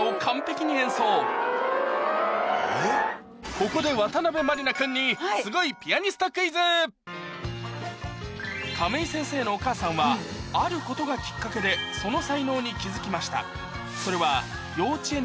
ここで渡辺満里奈君にすごい亀井先生のお母さんはあることがきっかけでその才能に気付きました